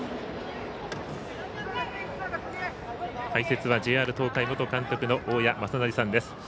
解説はＪＲ東海元監督の大矢正成さんです。